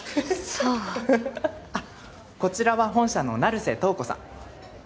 そうあっこちらは本社の成瀬瞳子さん